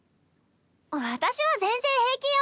私は全然平気よ。